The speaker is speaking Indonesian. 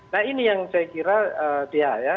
nah ini yang saya kira dia ya